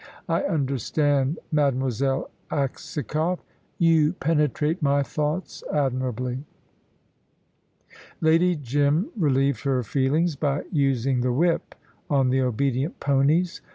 "I understand Mademoiselle Aksakoff." "You penetrate my thoughts admirably." Lady Jim relieved her feelings by using the whip on the obedient ponies.